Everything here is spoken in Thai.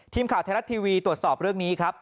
ทีมข่าวไทยรัฐทีวีตรวจสอบเรื่องนี้ครับ